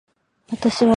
私は誰。